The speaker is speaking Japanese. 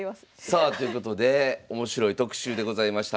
さあということで面白い特集でございました。